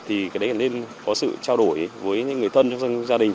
thì cái đấy nên có sự trao đổi với những người thân trong gia đình